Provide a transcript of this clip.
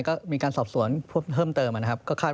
ก็มีการสอบสวนเพิ่มเติมนะครับก็คาด